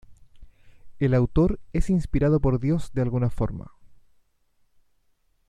El autor es inspirado por Dios de alguna forma.